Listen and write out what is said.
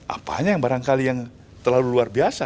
apanya yang barangkali yang terlalu luar biasa